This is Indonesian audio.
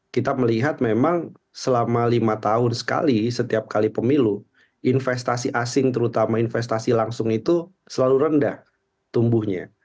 kita melihat memang selama lima tahun sekali setiap kali pemilu investasi asing terutama investasi langsung itu selalu rendah tumbuhnya